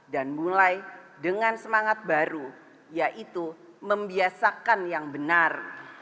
dan mulai dengan semangat baru yaitu membiasakan yang benar